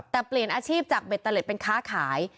แต่เปลี่ยนอาชีพจากเบตเตอร์เล็ตเป็นค้าขาย